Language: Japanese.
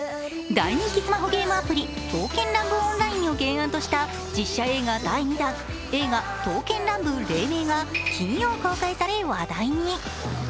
大人気スマホゲームアプリ「刀剣乱舞−ＯＮＬＩＮＥ−」を原案とした実写映画第２弾「映画刀剣乱舞−黎明−」が金曜日公開され話題に。